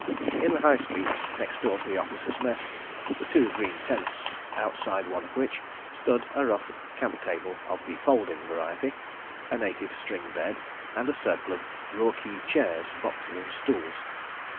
..." In the High Street, next door to the Officers' Mess, were two green tents, outside one of which stood a rough camp table of the "folding" variety, a native string bed, and a circle of Roorkee chairs, boxes and stools.